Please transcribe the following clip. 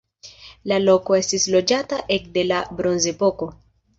La loko estis loĝata ekde la bronzepoko.